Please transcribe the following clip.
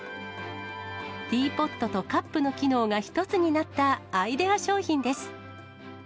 ティーポットとカップの機能が１つになったアイデア商品です。